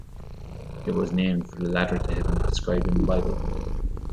It was named for the "ladder to heaven" described in the Bible.